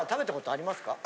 あります。